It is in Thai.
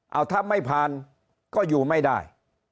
เอาถ้าไม่ผ่านก็อยู่ไม่ได้